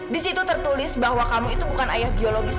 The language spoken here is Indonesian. di situ tertulis bahwa kamu itu bukan ayah biologis